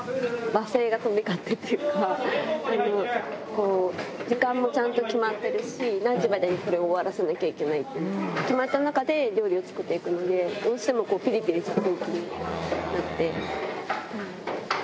罵声が飛び交ってるっていうか、時間もちゃんと決まってるし、何時までにこれを終わらせなきゃいけないっていう、決まった中で、料理を作っていくので、どうしてもぴりぴりした空気になって。